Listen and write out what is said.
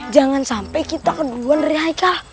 jangan sampai kita kedua nerehaikal